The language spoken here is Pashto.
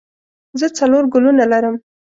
زه څلور ګلونه لرم.